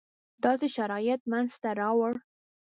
داسې شرایط منځته راوړو.